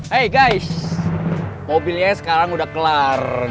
hei guys mobilnya sekarang udah kelar